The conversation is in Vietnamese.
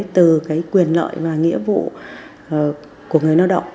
từ cái quyền lợi và nghĩa vụ của người lao động